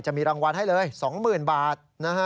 จะมีรางวัลให้เลย๒๐๐๐บาท